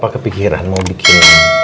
papa kepikiran mau bikin